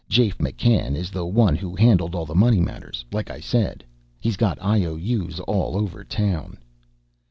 Jafe McCann is the one who handled all the money matters, like I said. He's got IOU's all over town."